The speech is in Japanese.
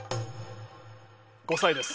５歳です。